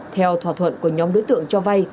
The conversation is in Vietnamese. theo thỏa thuận của nhóm đối tượng cho vay